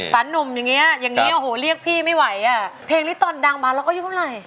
หนุ่มอย่างเงี้อย่างเงี้โอ้โหเรียกพี่ไม่ไหวอ่ะเพลงนี้ตอนดังมาเราก็อายุเท่าไหร่